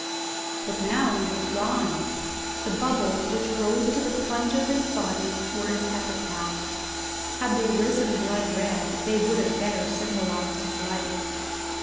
But now he was gone! The bubbles which rose to the plunge of his body were his epitaph; had they risen blood red they would have better symbolized his life.